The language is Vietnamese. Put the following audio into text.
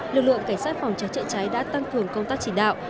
lực lượng cảnh sát phòng cháy chữa cháy đã tăng cường công tác chỉ đạo